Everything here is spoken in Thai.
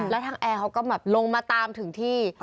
แล้วทางแอร์เขาก็ลงมาตามได้จริงอีกที